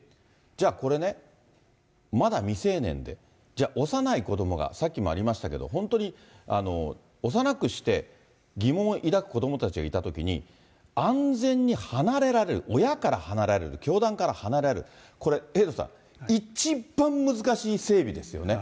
じゃあこれね、まだ未成年で、じゃあ、幼い子どもが、さっきもありましたけど、本当に、幼くして疑問を抱く子どもたちがいたときに、安全に離れられる、親から離れられる、教団から離れられる、これ、エイトさん、一番難しい整備ですよね。